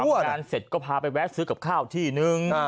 งานเสร็จก็พาไปแวะซื้อกับข้าวที่นึง